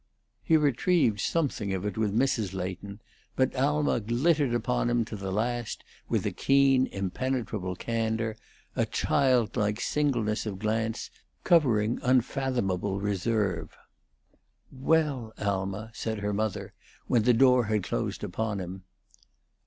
He retrieved something of it with Mrs. Leighton; but Alma glittered upon him to the last with a keen impenetrable candor, a child like singleness of glance, covering unfathomable reserve. "Well, Alma," said her mother, when the door had closed upon him.